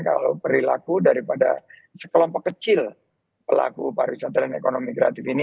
kalau perilaku daripada sekelompok kecil pelaku pariwisata dan ekonomi kreatif ini